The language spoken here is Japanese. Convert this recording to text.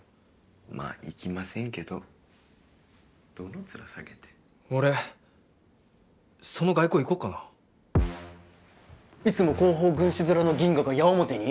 まぁ行きませんけどどの面下げて俺その外交行こうかないつも後方軍師面のギンガが矢面に？